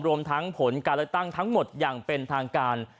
รวมทั้งผลการเลือกตั้งทั้งหมดอย่างเป็นทางการ